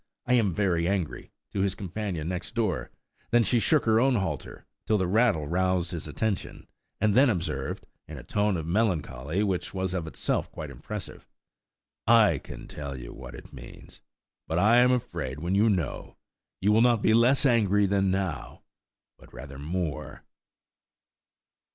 I am very angry," to his companion next door, than she shook her own halter till the rattle roused his attention, and then observed, in a tone of melancholy which was of itself quite impressive:–"I can tell you what it means, but I am afraid when you know you will not be less angry than now, but rather more."